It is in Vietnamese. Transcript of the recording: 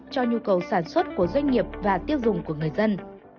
cho nhu cầu sản xuất của doanh nghiệp và tiêu dùng của người dân